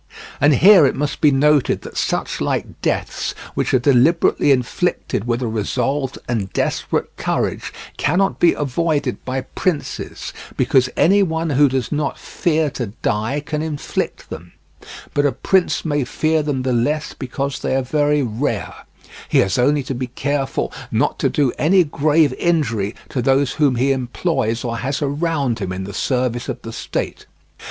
And here it must be noted that such like deaths, which are deliberately inflicted with a resolved and desperate courage, cannot be avoided by princes, because any one who does not fear to die can inflict them; but a prince may fear them the less because they are very rare; he has only to be careful not to do any grave injury to those whom he employs or has around him in the service of the state.